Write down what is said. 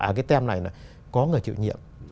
à cái tem này có người chịu nhiệm